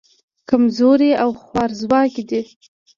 کمزوري او خوارځواکه دي.